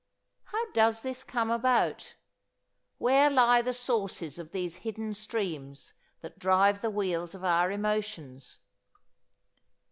How does this come about? Where lie the sources of these hidden streams that drive the wheels of our emotions?